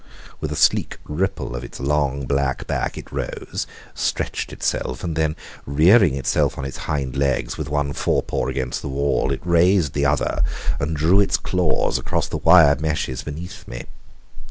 With a sleek ripple of its long, black back it rose, stretched itself, and then rearing itself on its hind legs, with one forepaw against the wall, it raised the other, and drew its claws across the wire meshes beneath me.